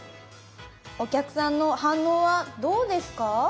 お客さんの反応はどうですか？